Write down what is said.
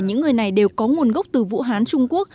những người này đều có nguồn gốc từ vũ hán trung quốc